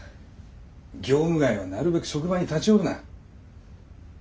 業務外はなるべく職場に立ち寄るな。